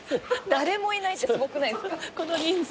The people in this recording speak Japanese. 誰もいないってすごくないですか。